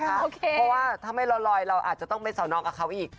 เพราะว่าถ้าไม่ลอยเราอาจจะต้องไปสอนน้องกับเขาอีก